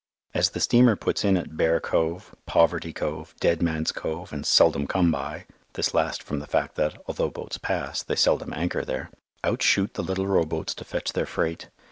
As the steamer puts in at Bear Cove, Poverty Cove, Deadman's Cove, and Seldom Come By (this last from the fact that, although boats pass, they seldom anchor there), out shoot the little rowboats to fetch their freight.